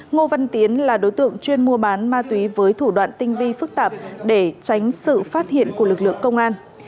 ngô văn tiến là đối tượng chuyên mua bán ma túy với thủ đoạn tinh vi phức tạp để tránh sự phát hiện của lực lượng công an